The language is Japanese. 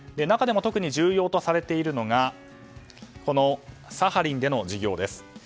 中でも特に重要とされているのがサハリンでの事業です。